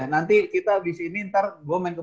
nanti kita habis ini ntar gue main ke